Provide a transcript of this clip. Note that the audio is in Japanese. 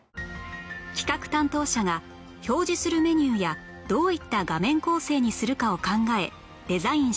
企画担当者が表示するメニューやどういった画面構成にするかを考えデザインします